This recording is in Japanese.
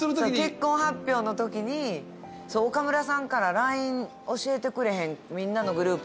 そう結婚発表のときに岡村さんから「ＬＩＮＥ教えてくれへん？」